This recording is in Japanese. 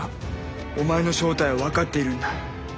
お前の正体は分かっているんだ。